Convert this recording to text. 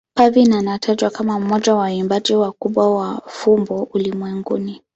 Parveen anatajwa kama mmoja wa waimbaji wakubwa wa fumbo ulimwenguni.